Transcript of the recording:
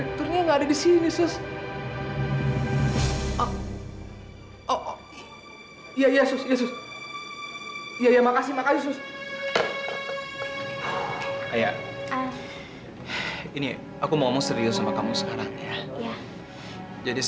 aku juga udah sering bohong sama mama sama papa juga